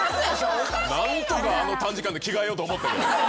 何とかあの短時間で着替えようと思った。